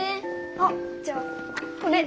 あっじゃあこれ。